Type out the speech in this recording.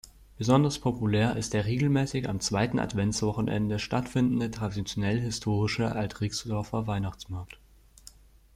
Besonders populär ist der regelmäßig am zweiten Adventswochenende stattfindende traditionell-historische Alt-Rixdorfer Weihnachtsmarkt.